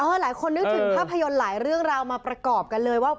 หลายคนนึกถึงภาพยนตร์หลายเรื่องราวมาประกอบกันเลยว่า